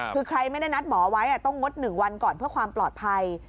คือใครไม่ได้นัดหมอไว้ต้องงด๑วันก่อนเพื่อความปลอดภัย